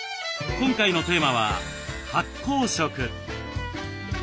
今回のテーマは「発酵食」。